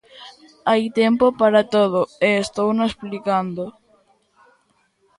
Hai tempo para todo, e estouno explicando.